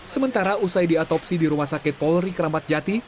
sementara usai diatopsi di rumah sakit polri keramat jati